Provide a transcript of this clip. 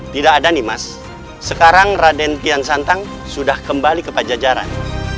tidak ada nimas sekarang raden kian santang sudah kembali ke pajajaran